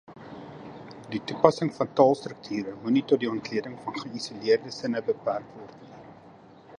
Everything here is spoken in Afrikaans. Die toepassing van taalstrukture moenie tot die ontleding van geïsoleerde sinne beperk word nie.